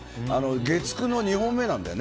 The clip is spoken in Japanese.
月９の２本目なんだよね